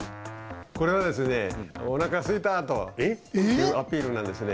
これはですね「おなかすいた」というアピールなんですね。